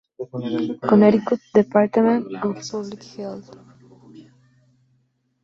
Connecticut Department of Public Health".